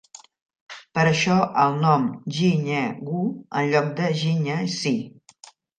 Per això el nom "Jinhae-gu" enlloc de "Jinhae-si".